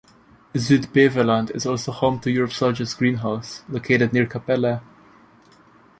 Zuid-Beveland is also home to Europe's largest greenhouse, located near Kapelle.